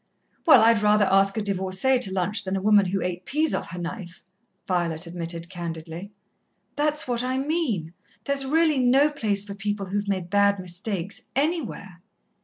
"Well, I'd rather ask a divorcée to lunch than a woman who ate peas off her knife," Violet admitted candidly. "That's what I mean. There's really no place for people who've made bad mistakes anywhere."